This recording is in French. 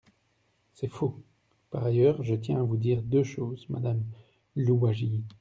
C’est faux ! Par ailleurs, je tiens à vous dire deux choses, madame Louwagie.